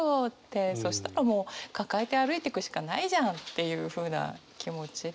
そしたらもう抱えて歩いてくしかないじゃんっていうふうな気持ちで。